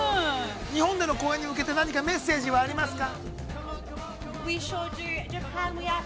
日本でも公演に向けて何かメッセージはありますか。